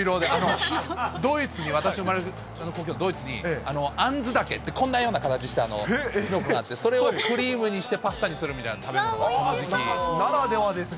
ドイツに、私の生まれ故郷ドイツに、アンズダケって、こんなような形したキノコがあって、それをクリームにしてパスタにするみたいな食べ物、ならではですね。